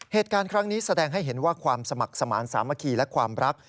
เหตุการณ์ครั้งนี้แสดงให้เห็นว่าความสมัครสมาธิสามัคคีและความรัก